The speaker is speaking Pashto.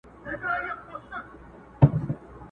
كه موږك هر څه غښتلى گړندى سي!!